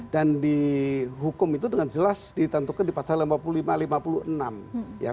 dan di hukum itu dengan jelas ditentukan di pasal yang empat puluh lima lima puluh enam